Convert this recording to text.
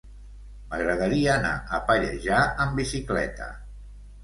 M'agradaria anar a Pallejà amb bicicleta.